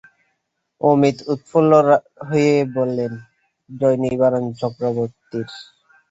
অমিত উৎফুল্ল হয়ে বললে, জয় নিবারণ চক্রবর্তীর!